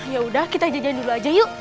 yaudah kita jajan dulu aja yuk